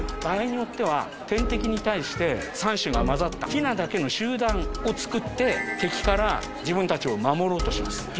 場合によっては天敵に対して３種が交ざったひなだけの集団をつくって敵から自分たちを守ろうとします。